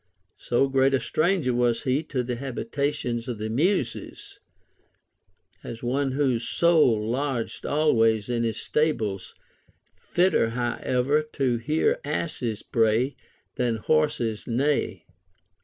So great a stranger was he to the habitations of the ISIuses ; as one whose soul lodged always in his stables, fitter however to hear asses bray than horses neigh.